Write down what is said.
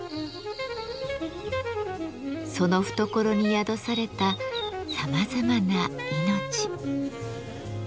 その懐に宿されたさまざまな命。